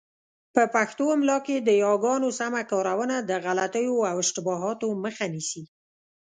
په پښتو املاء کي د یاګانو سمه کارونه د غلطیو او اشتباهاتو مخه نیسي.